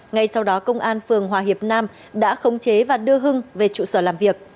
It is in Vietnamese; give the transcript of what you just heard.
ngay sau đó công an phường hòa hiệp nam đã khống chế và đưa hưng về trụ sở làm việc